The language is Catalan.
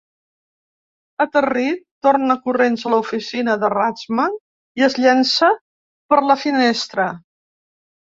Aterrit, torna corrents a l'oficina de Rathmann i es llança per la finestra.